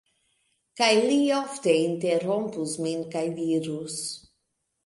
Kaj li ofte interrompus min, kaj dirus: